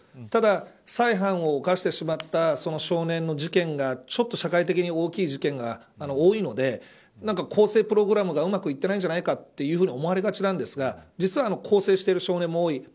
ただ、再犯を犯してしまった少年の事件がちょっと社会的に大きい事件が多いので更生プログラムがうまくいっていないんじゃないかと思われがちなんですが実は更生している少年も多い。